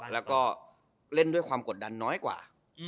แล้วก็เล่นด้วยความกดดันน้อยกว่า